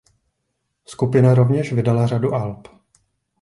Skupina rovněž vydala řadu alb.